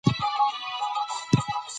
هلک د انا تر شا ولاړ و.